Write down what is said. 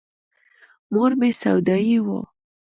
مور مې سودايي وه.